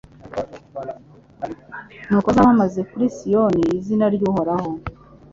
Nuko bazamamaze muri Siyoni izina ry’Uhoraho